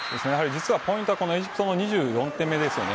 実は、ポイントはエジプトの２４点目です。